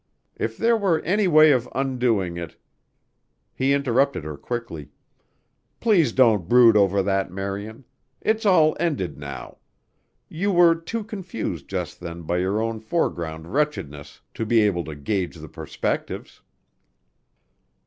If there were any way of undoing it " He interrupted her quickly, "Please don't brood over that, Marian. It's all ended now. You were too confused just then by your own foreground wretchedness to be able to gauge the perspectives."